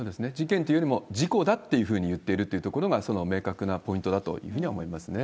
事件というよりは事故だというふうに言っているところが、その明確なポイントだと思いますね。